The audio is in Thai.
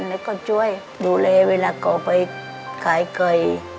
แล้วก็ช่วยดูแลเวลาเขาไปขายไก่